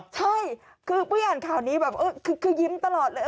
ใช่คือพี่อ่านข่าวนี้ยิ้มตลอดเลย